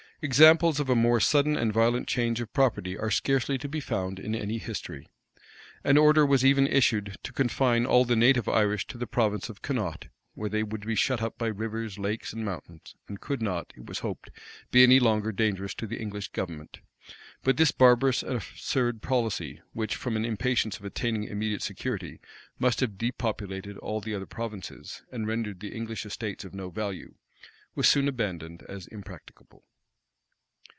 Examples of a more sudden and violent change of property are scarcely to be found in any history. An order was even issued to confine all the native Irish to the province of Connaught, where they would be shut up by rivers, lakes, and mountains, and could not, it was hoped, be any longer dangerous to the English government: but this barbarous and absurd policy, which, from an impatience of attaining immediate security, *must have depopulated all the other provinces, and rendered the English estates of no value, was soon abandoned as impracticable.